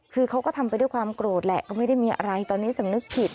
คือเขาก็ทำไปด้วยความโกรธแหละก็ไม่ได้มีอะไรตอนนี้สำนึกผิด